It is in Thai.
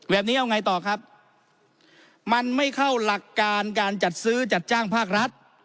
แบบนี้เอาไงต่อครับมันไม่เข้าหลักการการจัดซื้อจัดจ้างภาครัฐ